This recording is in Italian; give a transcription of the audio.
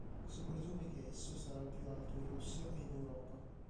Si presume che esso sarà il più alto in Russia e in Europa.